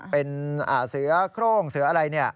เป็นเสือโครงเสืออะไร